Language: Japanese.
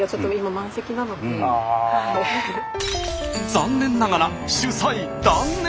残念ながら取材断念。